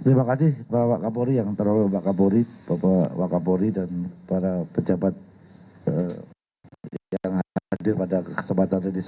terima kasih bapak wakabori yang terhormat bapak wakabori dan para pejabat yang hadir pada kesempatan ini